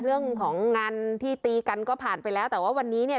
เรื่องของงานที่ตีกันก็ผ่านไปแล้วแต่ว่าวันนี้เนี่ย